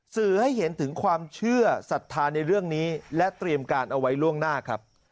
สื่อให้เห็นถึงความเชื่อศรัทธาในเรื่องนี้และเตรียมการเอาไว้ล่วงหน้าครับ